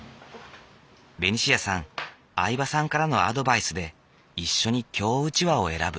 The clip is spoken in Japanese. ベニシアさん饗庭さんからのアドバイスで一緒に京うちわを選ぶ。